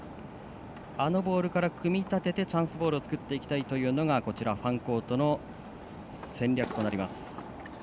あのボールから組み立ててチャンスボールを作っていきたいというのがファンコートの戦略となります。